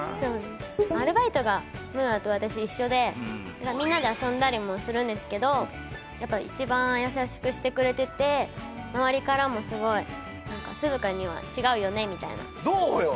アルバイトがムーアと私一緒でみんなで遊んだりもするんですけどやっぱ一番優しくしてくれてて周りからもすごい何か涼香には違うよねみたいなどうよ？